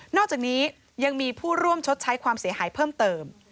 อกจากนี้ยังมีผู้ร่วมชดใช้ความเสียหายเพิ่มเติม